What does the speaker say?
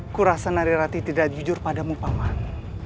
aku rasa narirati tidak jujur padamu paman